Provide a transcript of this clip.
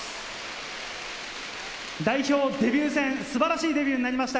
代表デビュー戦、素晴らしいデビューになりました。